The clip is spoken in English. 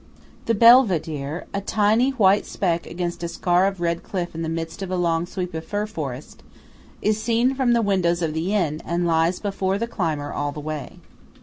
The Belvedere, a tiny white speck against a scar of red cliff in the midst of a long sweep of fir forest, is seen from the windows of the inn and lies before the climber all the way.